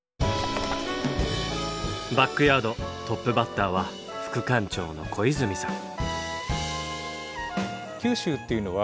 バックヤードトップバッターは副館長の小泉さん。